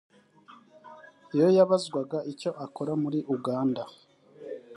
Iyo yabazagwa icyo akora muri Uganda